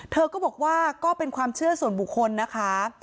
เธอก็บอกว่าก็เป็นความเชื่อส่วนบุคคลนะคะ